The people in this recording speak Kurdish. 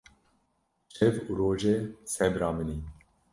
Şev û rojê sebra min î